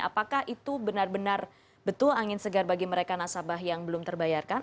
apakah itu benar benar betul angin segar bagi mereka nasabah yang belum terbayarkan